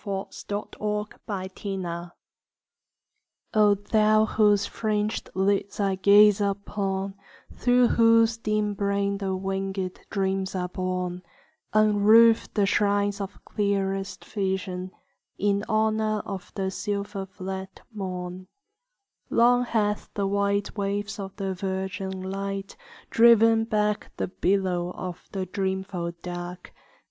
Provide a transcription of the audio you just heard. XIV =To a Lady Sleeping= O thou whose fringèd lids I gaze upon, Through whose dim brain the wingèd dreams are born, Unroof the shrines of clearest vision, In honour of the silverfleckèd morn: Long hath the white wave of the virgin light Driven back the billow of the dreamful dark.